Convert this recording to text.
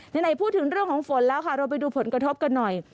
ไหนพูดถึงเรื่องของฝนแล้วค่ะเราไปดูผลกระทบกันหน่อย